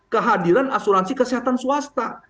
kehadiran asuransi kesehatan swasta